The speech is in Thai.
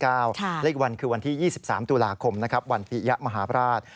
และอีกวันคือวันที่๒๓ตุลาคมวันปียะมหาบราช